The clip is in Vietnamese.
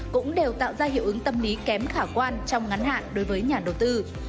cũng đều tạo ra hiệu ứng tâm lý kém khả quan trong ngắn hạn đối với nhà đầu tư